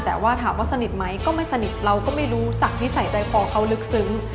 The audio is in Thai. แต่ว่าถามว่าสนิทไหมก็ไม่สนิทเราก็ไม่รู้จักนิสัยใจคอเขาลึกซึ้ง